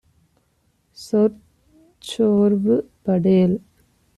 சொற் சோர்வு படேல்.